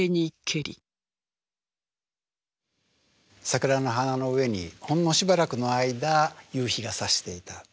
桜の花の上にほんのしばらくの間夕日がさしていた。